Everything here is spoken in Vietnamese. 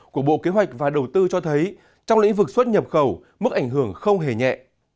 của bộ kế hoạch và đầu tư cho thấy trong lĩnh vực xuất nhập khẩu mức ảnh hưởng không hề nhẹ